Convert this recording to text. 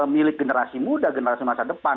milik generasi muda generasi masa depan